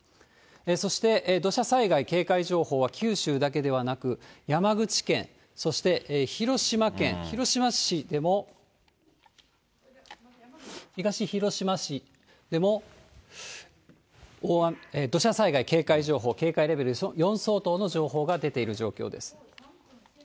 そして土砂災害警戒情報は、九州だけではなく、山口県、そして広島県東広島市でも土砂災害警戒情報、警戒レベル４相当の情報が出ている状況です。